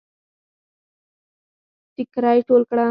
ټيکړی ټول کړه